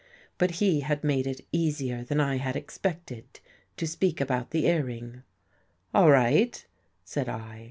But he had made it easier than I had expected, to speak about the earring. " All right," said I.